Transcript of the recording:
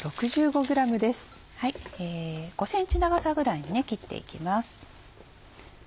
５ｃｍ長さぐらいに切っていきます。